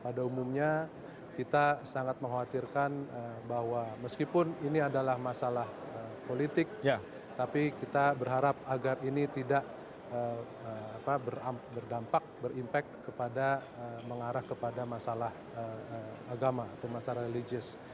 pada umumnya kita sangat mengkhawatirkan bahwa meskipun ini adalah masalah politik tapi kita berharap agar ini tidak berdampak berimpak kepada mengarah kepada masalah agama atau masalah religius